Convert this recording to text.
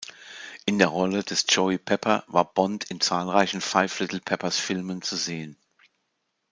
In der Rolle des Joey Pepper war Bond in zahlreichen "Five-Little-Peppers"-Filmen zu sehen.